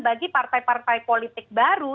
bagi partai partai politik baru